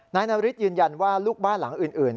นายนับวิทย์ยืนยันว่าลูกบ้านหลังอื่น